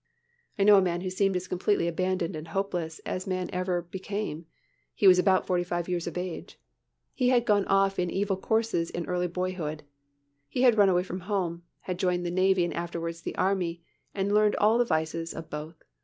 I know a man who seemed as completely abandoned and hopeless as men ever become. He was about forty five years of age. He had gone off in evil courses in early boyhood. He had run away from home, had joined the navy and afterwards the army, and learned all the vices of both.